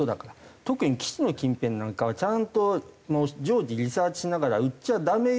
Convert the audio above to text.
特に基地の近辺なんかはちゃんと常時リサーチしながら売っちゃダメよ